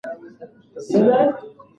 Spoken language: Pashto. که نجونې موسیقي زده کړي نو غږونه به بد نه وي.